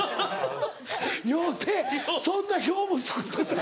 酔うてそんな表も作ってた。